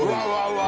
うわ